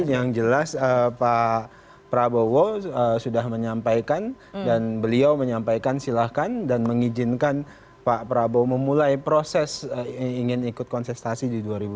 yang jelas pak prabowo sudah menyampaikan dan beliau menyampaikan silahkan dan mengizinkan pak prabowo memulai proses ingin ikut kontestasi di dua ribu dua puluh